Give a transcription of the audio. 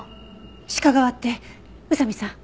鹿革って宇佐見さん。